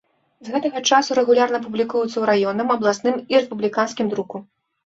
З гэтага часу рэгулярна публікуецца ў раённым, абласным і рэспубліканскім друку.